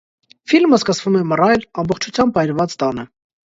Ֆիլմը սկսվում է մռայլ, ամբողջությամբ այրված տանը։